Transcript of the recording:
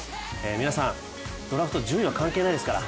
皆さん、ドラフト順位は関係ないですから。